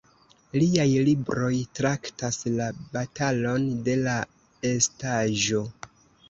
Liaj libroj traktas la "batalon de la estaĵo".